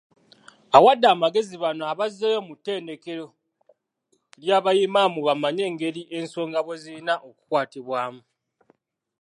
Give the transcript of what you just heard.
Awadde amagezi bano abazzeeyo mu ttendekero ly'aba Imam bamanye engeri ensonga bwe zirina okukwatibwamu.